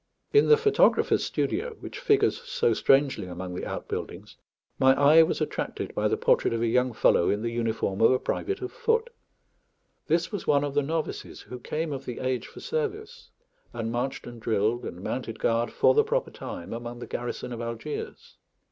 In the photographer's studio, which figures so strangely among the outbuildings, my eye was attracted by the portrait of a young fellow in the uniform of a private of foot. This was one of the novices, who came of the age for service, and marched and drilled and mounted guard for the proper time among the garrison of Algiers.